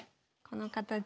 この形。